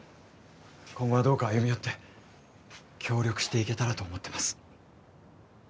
今後はどうか歩み寄って協力していけたらと思っています